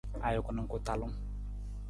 Ajuku na ku talung.